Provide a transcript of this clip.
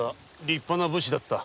立派な武士だった。